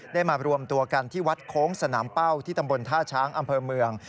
มารวมตัวกันที่วัดโค้งสนามเป้าที่ตำบลท่าช้างอำเภอเมือง